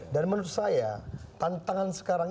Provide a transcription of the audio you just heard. dan menurut saya tantangan sekarang